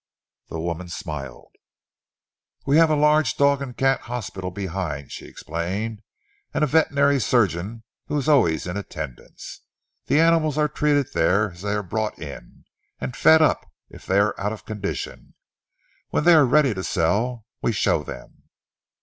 The woman smiled. "We have a large dog and cat hospital behind," she explained, "and a veterinary surgeon who is always in attendance. The animals are treated there as they are brought in, and fed up if they are out of condition. When they are ready to sell, we show them."